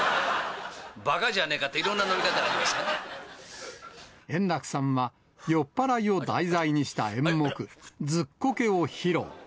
ばかじゃねえかって、円楽さんは、酔っ払いを題材にした演目、ずっこけを披露。